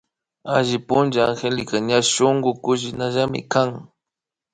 Alli puncha Angélica ña shunkullinamikan